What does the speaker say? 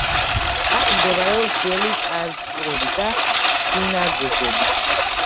აქ მდებარეობს ძველი ტაძრები და სინაგოგები.